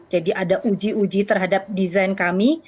jadi ada uji uji terhadap desain kami